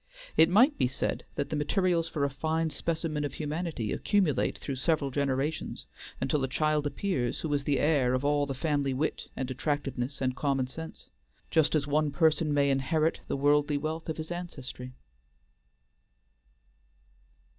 It might be said that the materials for a fine specimen of humanity accumulate through several generations, until a child appears who is the heir of all the family wit and attractiveness and common sense, just as one person may inherit the worldly wealth of his ancestry.